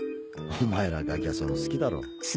お前らガキはそういうの好きだろ？